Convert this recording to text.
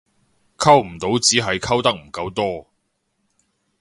溝唔到只係溝得唔夠多